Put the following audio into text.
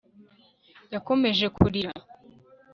Yakomeje kurira